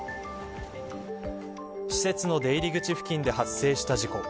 施設の出入り口付近で発生した事故。